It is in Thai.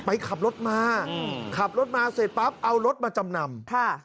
ขับรถมาขับรถมาเสร็จปั๊บเอารถมาจำนำค่ะ